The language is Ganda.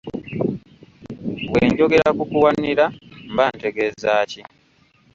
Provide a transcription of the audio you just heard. Bwe njogera ku kuwanira mba ntegeeza ki?